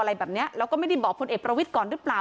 เราก็ไม่ได้บอกพลเอกประวิทธิ์ก่อนหรือเปล่า